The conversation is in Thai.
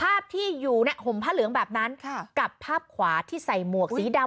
ภาพที่อยู่เนี่ยห่มผ้าเหลืองแบบนั้นกับภาพขวาที่ใส่หมวกสีดำ